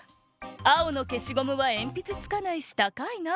「あおの消しゴムはえんぴつつかないし高いな！」。